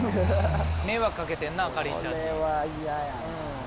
迷惑掛けてんなかりんちゃんに。